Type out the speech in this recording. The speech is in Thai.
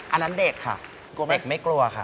อันนั้นเด็กค่ะกลัวเด็กไม่กลัวค่ะ